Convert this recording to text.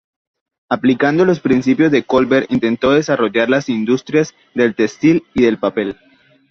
Aplicando los principios de Colbert, intentó desarrollar las industrias del textil y del papel.